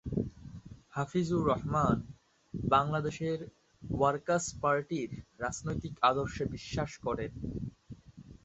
Hafizur Rahman Bangladesh workers পার্টির রাজনৈতিক আদর্শে বিশ্বাস করেন।